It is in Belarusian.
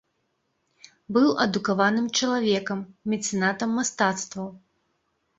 Быў адукаваным чалавекам, мецэнатам мастацтваў.